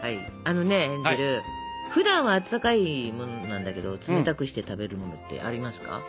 あのねヘンゼルふだんは温かいものなんだけど冷たくして食べるものってありますか？